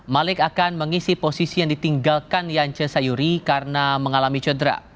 malik akan mengisi posisi yang ditinggalkan yance sayuri karena mengalami cedera